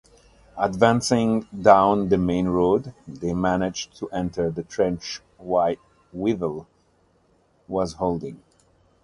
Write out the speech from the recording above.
Advancing down the main road, they managed to enter the trench Whittle was holding.